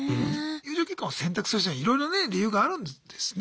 友情結婚を選択する人にはいろいろね理由があるんですね。